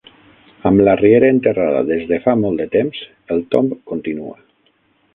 Amb la riera enterrada des de fa molt de temps, el tomb continua.